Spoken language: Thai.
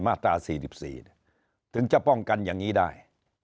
มาตรา๔๔ถึงจะป้องกันอย่างนี้ได้